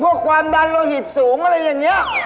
ความดันโลหิตสูงอะไรอย่างนี้